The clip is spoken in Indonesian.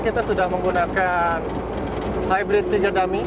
kita sudah menggunakan hybrid tiga dummy